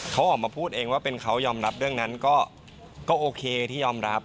เขาออกมาพูดเองว่าเป็นเขายอมรับเรื่องนั้นก็โอเคที่ยอมรับ